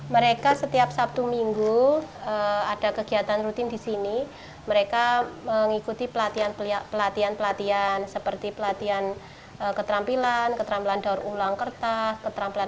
mbak prostruktur di sini edit lelenggap